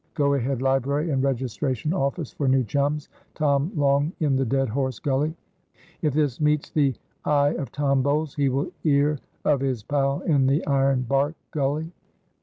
"Go ahead library and registration office for new chums. Tom Long in the dead horse gully." "If this meets the i of Tom Bowles he will ear of is pal in the iron bark gully."